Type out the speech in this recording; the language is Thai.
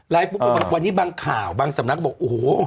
ปุ๊บก็วันนี้บางข่าวบางสำนักบอกโอ้โห